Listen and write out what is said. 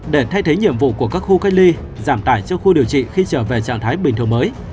để thay thế nhiệm vụ của các khu cách ly giảm tải cho khu điều trị khi trở về trạng thái bình thường mới